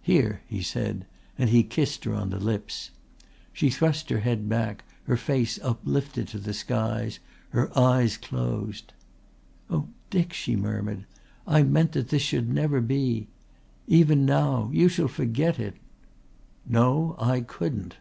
"Here," he said, and he kissed her on the lips. She thrust her head back, her face uplifted to the skies, her eyes closed. "Oh, Dick," she murmured, "I meant that this should never be. Even now you shall forget it." "No I couldn't."